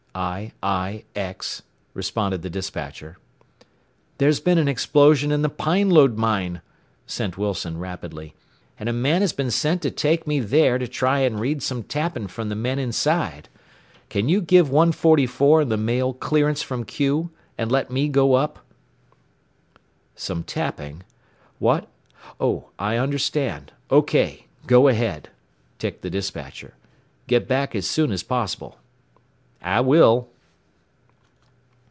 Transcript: "I, I, X," responded the despatcher. "There has been an explosion at the Pine Lode mine," sent Wilson rapidly, "and a man has been sent to take me there to try and read some tapping from the men inside. Can you give 144 and the Mail clearance from Q and let me go up?" "Some tapping? What Oh, I understand. OK! Go ahead," ticked the despatcher. "Get back as soon as possible." "I will."